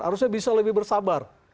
harusnya bisa lebih bersabar